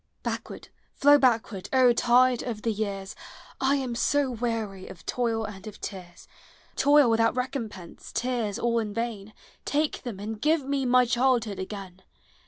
Backward, How backward. O tide of the years! 1 am so wearv of toil and of tears, — Toil without recompense, tears all in vain, — Take them, and give me my childhood again!